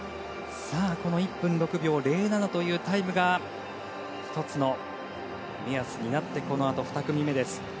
この１分６秒０７というタイムが１つの目安になってこのあと２組目です。